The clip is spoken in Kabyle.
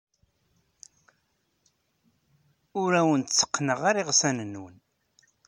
Ur awen-tteqqneɣ iysan-nwen.